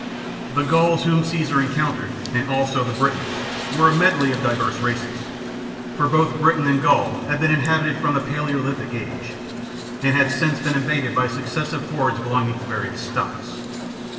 The Gauls whom Caesar encountered, and also the Britons, were a medley of divers races ; for both Britain and Gaul had been inhabited from the Palaeolithic Age, and had since been invaded by successive hordes belonging to various stocks.